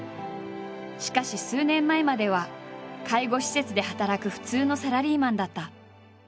しかし数年前までは介護施設で働く普通のサラリーマンだった。